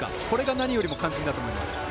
これが何よりも肝心だと思います。